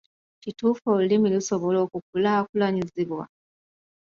Kituufu olulimi lusobola okukulaakulanyizibwa?